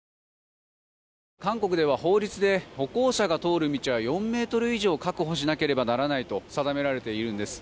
韓国では法律で歩行者が通る道は４ｍ以上確保しなければならないと定められているんです。